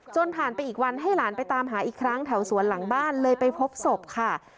ผ่านไปอีกวันให้หลานไปตามหาอีกครั้งแถวสวนหลังบ้านเลยไปพบศพค่ะ